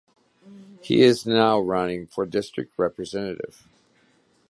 He is now running for district representative.